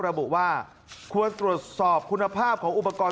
ระบุว่าควรตรวจสอบคุณภาพของอุปกรณ์